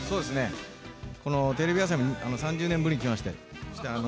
このテレビ朝日３０年ぶりに来まして。